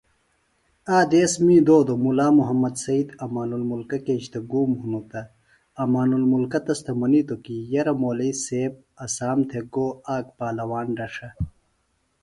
آک دیس می دودوۡ مُلا محمد سید امان الملک کیچیۡ گُوم ہِنوۡ تہ امان المُلکہ تس تھےۡ منِیتوۡ کی یرہ مولئیۡ سیب اسام تھےۡ گو آک پالواݨ دڇھہ